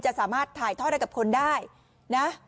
สามารถถ่ายทอดให้กับคนได้นะ